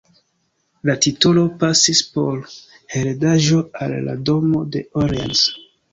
La titolo pasis por heredaĵo al la Domo de Orleans.